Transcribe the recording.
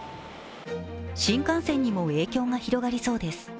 新幹線にも影響が広がりそうです。